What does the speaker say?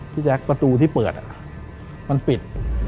แจ๊คประตูที่เปิดมันปิด